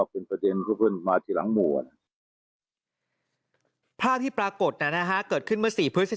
กินตัวแล้วมันว่าทีมากมวลวิวภาพที่ปรากฏนะข้าเกิดขึ้นมาเฉยสมภาษา